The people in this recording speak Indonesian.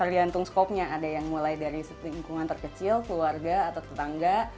tergantung skopnya ada yang mulai dari lingkungan terkecil keluarga atau tetangga